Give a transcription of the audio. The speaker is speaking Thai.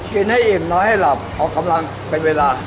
กินให้อิ่มน้อยให้หลับออกกำลังเป็นเวลา